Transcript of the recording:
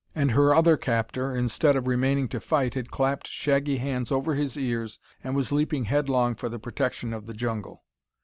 And her other captor, instead of remaining to fight, had clapped shaggy hands over his ears, and was leaping headlong for the protection of the jungle!